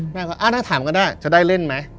แม่ก็ถ้าถามก็ได้จะได้เล่นไหม